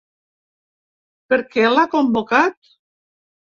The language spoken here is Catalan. Per què l’ha convocat?